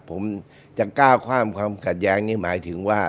ผมจะก้าวข้ามความขัดแย้งนี่หมายถึงว่า